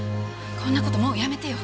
こんな事もうやめてよ。